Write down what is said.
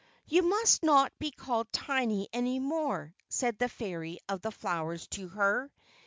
"You must not be called Tiny any more," said the Fairy of the flowers to her.